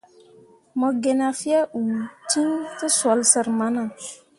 Mo ge na fyee uul ciŋ tǝsoole sər mana.